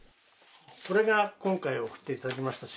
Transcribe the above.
これが今回、送って頂きました